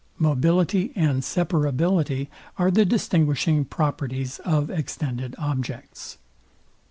Mobility, and separability are the distinguishing properties of extended objects.